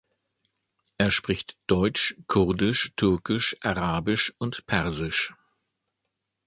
Er spricht Deutsch, Kurdisch, Türkisch, Arabisch und Persisch.